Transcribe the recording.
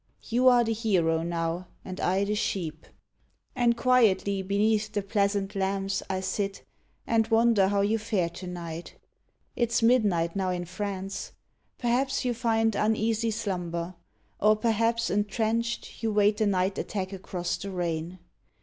You are the hero now, and I the sheep ! And quietly beneath the pleasant lamps HENRI I sit, and wonder how you fare to night. It s midnight now in France. Perhaps you find Uneasy slumber; or perhaps, entrenched, You wait the night attack across the rain.